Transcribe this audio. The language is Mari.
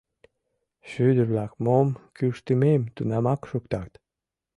— Шӱдыр-влак мом кӱштымем тунамак шуктат.